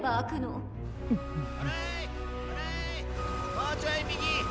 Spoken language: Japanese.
もうちょいみぎ！